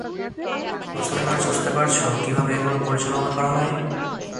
তুমি কি বুঝতে পারছো, কিভাবে এগুলো পরিচালনা করা হয়?